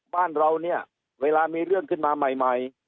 บ้านเราเนี่ยเวลามีเรื่องขึ้นมาใหม่